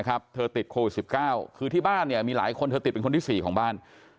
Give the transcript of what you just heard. เธอติดโควิด๑๙คือที่บ้านเนี่ยมีหลายคนเธอติดเป็นคนที่๔ของบ้าน